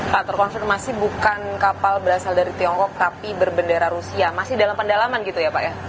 pak terkonfirmasi bukan kapal berasal dari tiongkok tapi berbendera rusia masih dalam pendalaman gitu ya pak ya